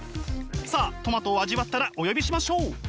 さあトマトを味わったらお呼びしましょう。